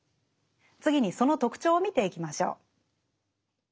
次にその特徴を見ていきましょう。